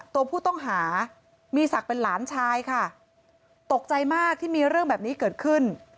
ตัวผู้ต้องหามีศักดิ์เป็นหลานชายค่ะตกใจมากที่มีเรื่องแบบนี้เกิดขึ้น